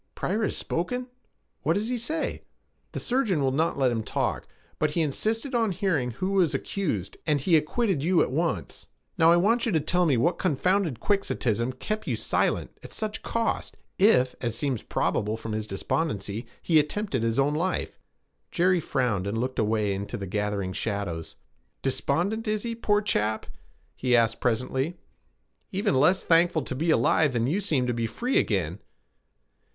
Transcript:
'Pryor has spoken? What does he say?' 'The surgeon will not let him talk; but he insisted on hearing who was accused, and he acquitted you at once. Now I want you to tell me what confounded quixotism kept you silent, at such cost, if, as seems probable from his despondency, he attempted his own life.' Jerry frowned, and looked away into the gathering shadows. 'Despondent is he, poor chap?' he asked presently. 'Even less thankful to be alive than you seem to be free again.'